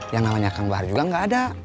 yang namanya kang bahar juga nggak ada